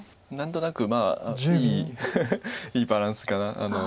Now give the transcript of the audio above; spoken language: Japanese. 何となくいいいいバランスかな。